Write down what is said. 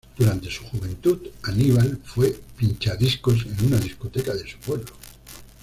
Durante su juventud, Aníbal fue pinchadiscos en una discoteca de su pueblo.